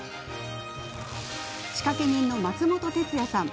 仕掛け人の松本哲哉さん。